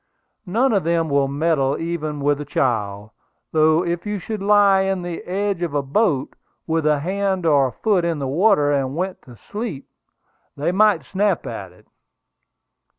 None of them will meddle even with a child; though if you should lie on the edge of a boat, with a hand or foot in the water, and went to sleep, they might snap at it."